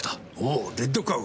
お「レッドカウ」。